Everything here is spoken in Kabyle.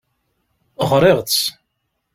Ɣriɣ-tt.